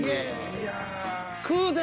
いや。